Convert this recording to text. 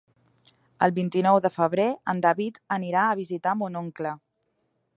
El vint-i-nou de febrer en David anirà a visitar mon oncle.